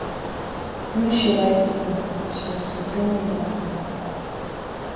Nu ir šī reize pienākusi, un es esmu pilnībā tam gatava.